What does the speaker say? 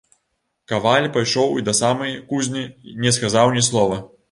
Каваль пайшоў і да самай кузні не сказаў ні слова.